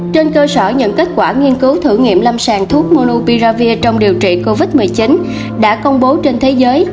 trên cơ sở những kết quả nghiên cứu thử nghiệm lâm sàng thuốc muno piravir trong điều trị covid một mươi chín đã công bố trên thế giới